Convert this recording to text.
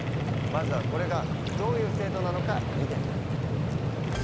まずはこれがどういう制度なのか見てみよう。